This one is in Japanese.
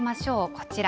こちら。